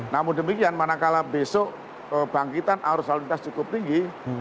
namun demikian manakala besok bangkitan arus lalu lintas cukup tinggi